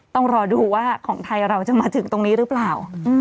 ต้องรอดูว่าของไทยเราจะมาถึงตรงนี้หรือเปล่า